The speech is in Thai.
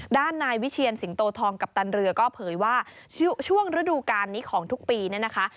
ด้านนายวิเชียนสิงโตทองกัปตันเรือก็เผยว่าช่วงฤดูการนี้ของทุกปีเนี่ยนะคะ